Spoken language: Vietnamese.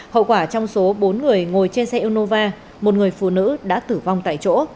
hậu quả trong số bốn người ngồi trên xe unova một người phụ nữ đã tử vong tại chỗ